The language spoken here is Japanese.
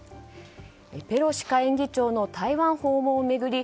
ペロシ下院議長の台湾訪問を巡り